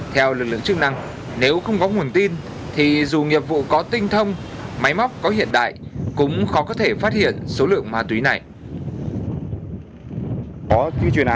theo lực lượng chức năng nếu không có nguồn tin thì dù nghiệp vụ có tinh thông máy móc có hiện đại cũng khó có thể phát hiện số lượng ma túy này